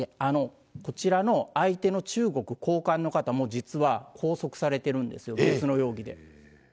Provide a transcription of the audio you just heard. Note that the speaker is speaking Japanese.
こちらの相手の中国高官の方も、実は、拘束されてるんですよ、別の容疑で。